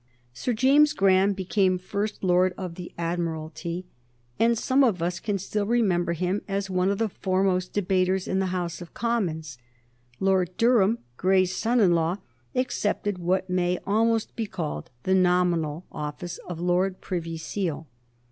Sir James Graham became First Lord of the Admiralty, and some of us can still remember him as one of the foremost debaters in the House of Commons. Lord Durham, Grey's son in law, accepted what may almost be called the nominal office of Lord Privy Seal.